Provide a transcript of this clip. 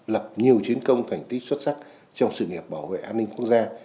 lập nhiều chiến công thành tích xuất sắc trong sự nghiệp bảo vệ an ninh quốc gia